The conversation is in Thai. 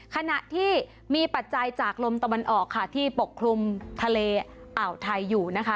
ขณะที่มีปัจจัยจากลมตะวันออกค่ะที่ปกคลุมทะเลอ่าวไทยอยู่นะคะ